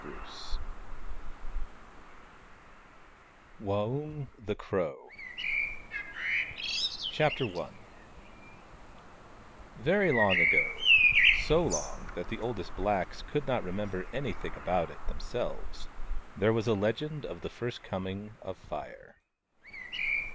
II WAUNG, THE CROW Chapter I VERY long ago — so long that the oldest blacks could not remember anything about it them selves — there was a legend of the first coming of Fire.